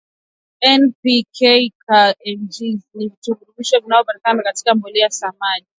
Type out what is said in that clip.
N P K Ca Mgs ni virutubisho vinavyopatikana katika mbolea ya samadi